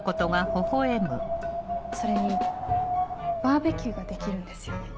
それにバーベキューができるんですよね？